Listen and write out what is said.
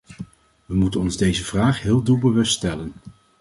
We moeten ons deze vraag heel doelbewust stellen.